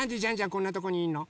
こんなとこにいんの？